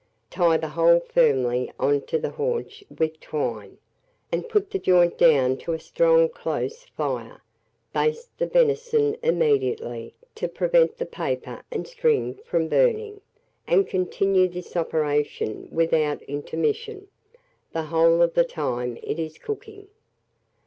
Tie the whole firmly on to the haunch with twine, and put the joint down to a strong close fire; baste the venison immediately, to prevent the paper and string from burning, and continue this operation, without intermission, the whole of the time it is cooking.